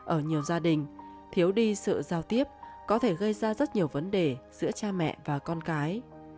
ở nhiều gia đình thiếu đi sự giao tiếp có thể gây ra rất nhiều vấn đề giữa cha mẹ và con cái